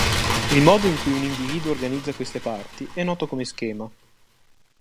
Il modo in cui un individuo organizza queste parti è noto come schema.